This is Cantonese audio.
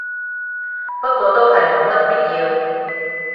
不過都係冇乜必要